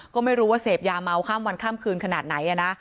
ก็ไม่รู้เศพยาเมาค่ำวันคั่มคืนขนาดไหน